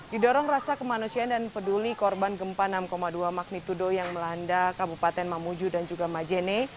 didorong rasa kemanusiaan dan peduli korban gempa enam dua magnitudo yang melanda kabupaten mamuju dan juga majene